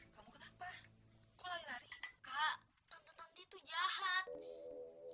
ya kalau sendiri satu kaka itu semua maarah